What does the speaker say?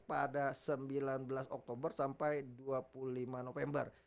pada sembilan belas oktober sampai dua puluh lima november